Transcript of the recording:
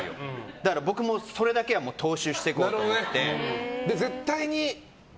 だから僕もそれだけは踏襲していこうと思って。